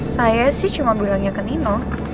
saya sih cuma bilangnya ke nino